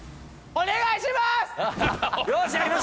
お願いします！